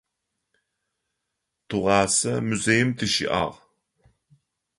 Тыгъуасэ музеим тыщыӏагъ.